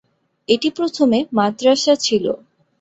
এটি প্রথমে মাদ্রাসা ছিল।